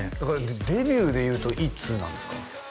デビューでいうといつなんですか？